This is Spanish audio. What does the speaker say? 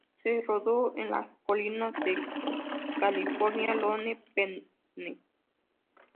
Se rodó en las colinas de California, Lone Pine.